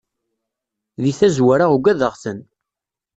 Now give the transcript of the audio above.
Di tazzwara ugadeɣ-ten.